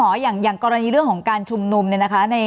ในช่วงหลังเราจะเห็นว่าการเผชิญหน้าการของกลุ่มผู้ชุมนุมราศดร๖๓